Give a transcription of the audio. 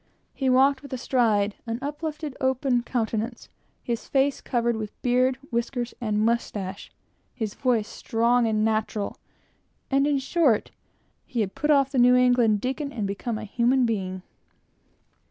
He walked with a stride, an uplifted open countenance, his face covered with beard, whiskers, and mustache, his voice strong and natural; and, in short, he had put off the New England deacon and become a human being.